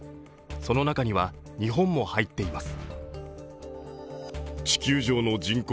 その中には日本も入っています。